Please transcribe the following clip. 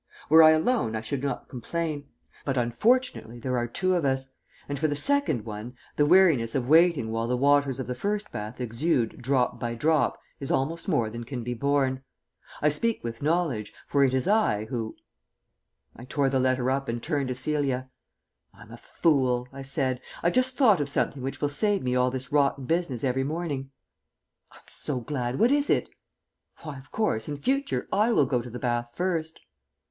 Were I alone I should not complain; but unfortunately there are two of us; and, for the second one, the weariness of waiting while the waters of the first bath exude drop by drop is almost more than can be borne. I speak with knowledge, for it is I who " I tore the letter up and turned to Celia. "I'm a fool," I said. "I've just thought of something which will save me all this rotten business every morning." "I'm so glad. What is it?" "Why, of course in future I will go to the bath first."